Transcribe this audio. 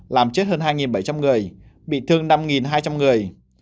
làm chết hơn hai bảy trăm linh người bị thương năm hai trăm linh người